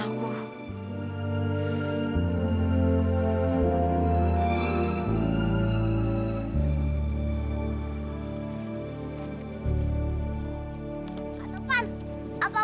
kak topan apa udah ada kabar tentang kak gendy